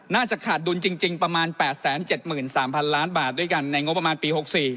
น่าจะขาดดุลจริงประมาณ๘๗๓๐๐๐ล้านบาทด้วยกันในงบประมาณปี๖๔